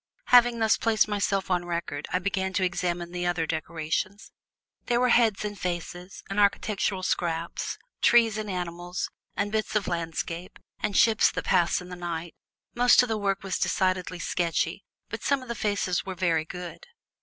Having thus placed myself on record, I began to examine the other decorations. There were heads and faces, and architectural scraps, trees and animals, and bits of landscape and ships that pass in the night. Most of the work was decidedly sketchy, but some of the faces were very good.